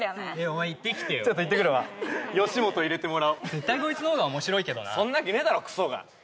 お前行ってきてよちょっと行ってくるわ吉本入れてもらおう絶対こいつのほうが面白いけどなそんなわけねえだろクソが！